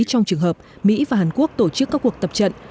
trong trường hợp mỹ và hàn quốc tổ chức các cuộc tập trận